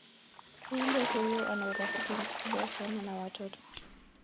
kiumbe huyo ana urafiki mkubwa sana na watoto